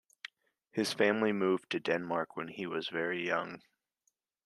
His family moved to Denmark when he was very young.